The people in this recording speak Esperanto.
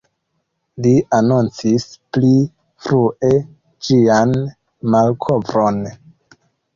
Li anoncis pli frue ĝian malkovron.